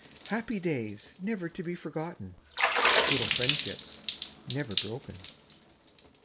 Happy days never to be forgotten; little friendships never broken.